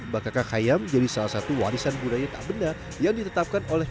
bakaka kaya menjadi salah satu warisan budaya tak benda yang ditetapkan oleh